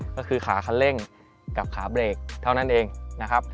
ก็คือขาคันเร่งกับขาเบรกเท่านั้นเองนะครับ